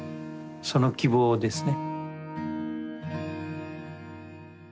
その希望ですね。